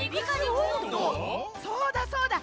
そうだそうだ。